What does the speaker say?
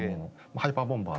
ハイパーボンバー！